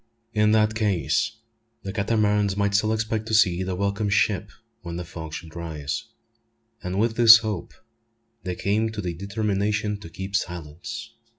In that case the Catamarans might still expect to see the welcome ship when the fog should rise; and with this hope they came to the determination to keep silence.